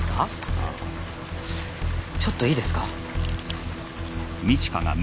ああちょっといいですか？